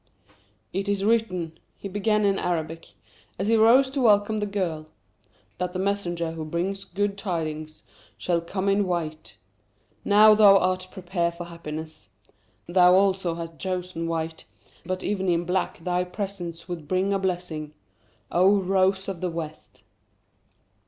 "It is written," he began in Arabic, as he rose to welcome the girl, "that the messenger who brings good tidings shall come in white. Now thou art prepared for happiness. Thou also hast chosen white; but even in black, thy presence would bring a blessing, O Rose of the West."